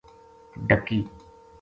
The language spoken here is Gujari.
ڈَکی